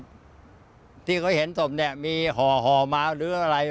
ที่เขาเห็นศพเนี่ยมีห่อมาหรืออะไร